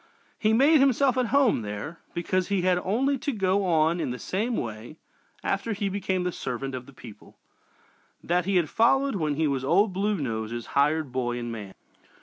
He "made himself at home" there, because he had only to go on in the same way after he became the "servant of the people" that he had followed when he was "Old Blue Nose's" hired boy and man.